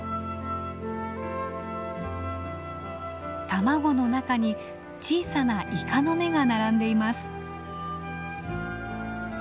卵の中に小さなイカの目が並んでいます。